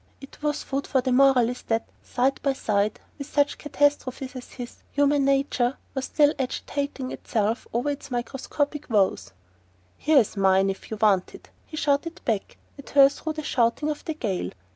It was food for the moralist that, side by side with such catastrophes as his, human nature was still agitating itself over its microscopic woes! "Here's mine if you want it!" he shouted back at her through the shouting of the gale.